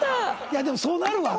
いやでもそうなるわ。